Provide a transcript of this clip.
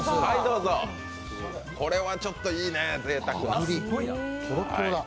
これはちょっといいね、ぜいたくな。